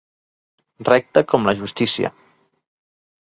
Recte com la justícia.